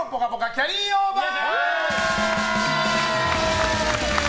キャリーオーバー！